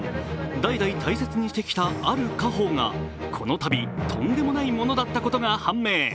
代々大切にしてきた家宝がこのたび、とんでもないものだったことが判明。